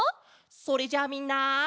それじゃあみんな。